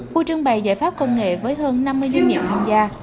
khu trưng bày giải pháp công nghệ với hơn năm mươi doanh nghiệp tham gia